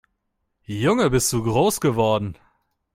Junge, bist du groß geworden